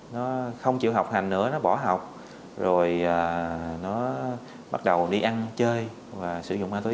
nó không chịu học hành nữa nó bỏ học rồi nó bắt đầu đi ăn chơi và sử dụng ma túy